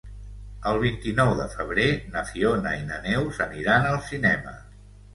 El vint-i-nou de febrer na Fiona i na Neus aniran al cinema.